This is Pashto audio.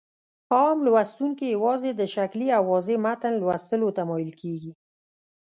عام لوستونکي يوازې د ښکلي او واضح متن لوستلو ته مايل کېږي.